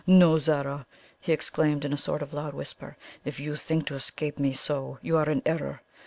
"No, Zara!" he exclaimed in a sort of loud whisper. "If you think to escape me so, you are in error.